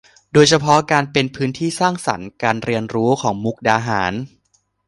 โดยเฉพาะการเป็นพื้นที่สร้างสรรค์การเรียนรู้ของมุกดาหาร